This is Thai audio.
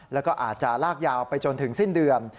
แล้วก็อาจจะลากยาวไปจนถึงสิ้นเดือน